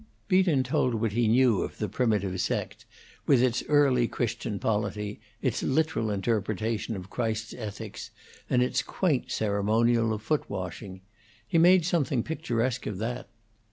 Beaton told what he knew of the primitive sect, with its early Christian polity, its literal interpretation of Christ's ethics, and its quaint ceremonial of foot washing; he made something picturesque of that.